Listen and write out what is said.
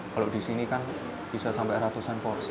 kalau di sini kan bisa sampai ratusan porsi